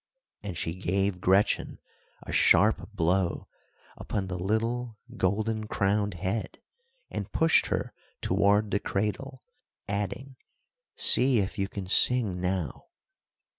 And she gave Gretchen a sharp blow upon the little golden crowned head, and pushed her toward the cradle, adding, "see if you can sing now!"